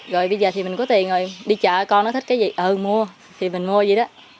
rồi bây giờ thì mình có tiền rồi đi chợ con nó thích cái gì ờ mua thì mình mua vậy đó